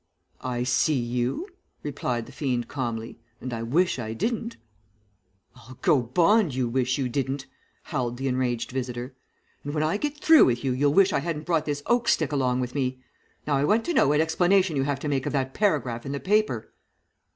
"'I see you,' replied the fiend calmly, 'and I wish I didn't.' "'I'll go bond you wish you didn't,' howled the enraged visitor. 'And when I get through with you you'll wish I hadn't brought this oak stick along with me. Now I want to know what explanation you have to make of that paragraph in the paper.'